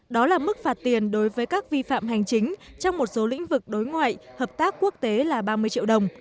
đó là mức phạt tiền đối với các vi phạm hành chính trong một số lĩnh vực đối ngoại hợp tác quốc tế là ba mươi triệu đồng